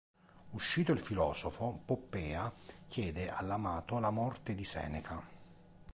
Uscito il filosofo, Poppea chiede all'amato la morte di Seneca.